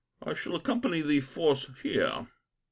I shall accompany the force here.